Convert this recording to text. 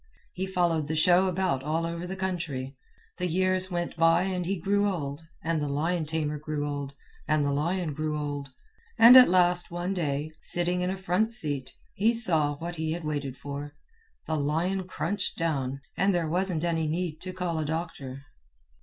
He followed the show about all over the country. The years went by and he grew old, and the lion tamer grew old, and the lion grew old. And at last one day, sitting in a front seat, he saw what he had waited for. The lion crunched down, and there wasn't any need to call a doctor."